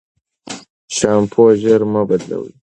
شامپو ژر مه بدلوی.